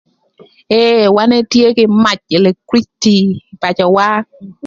Ee wan etye kï mac electriciti ï pacöwa.